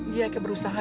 iya eka berusaha